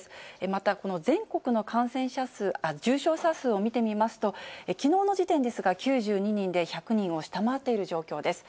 また、この全国の重症者数を見てみますと、きのうの時点ですが、９２人で１００人を下回っている状況です。